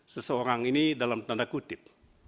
seseorang ini dalam tanda kutip